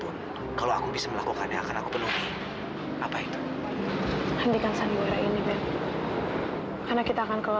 neri ikutin mereka neri